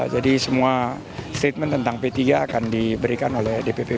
semua statement tentang p tiga akan diberikan oleh dpp p tiga